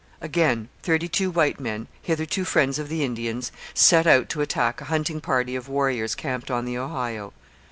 Again, thirty two white men, hitherto friends of the Indians, set out to attack a hunting party of warriors camped on the Ohio.